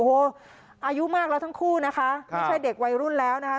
โอ้โหอายุมากแล้วทั้งคู่นะคะไม่ใช่เด็กวัยรุ่นแล้วนะคะ